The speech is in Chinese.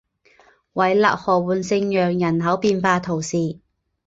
韦勒河畔圣让人口变化图示